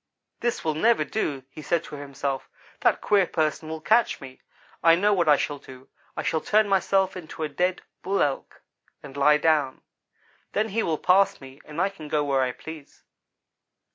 "'This will never do,' he said to himself. 'That queer person will catch me. I know what I shall do; I shall turn myself into a dead Bull Elk and lie down. Then he will pass me and I can go where I please.'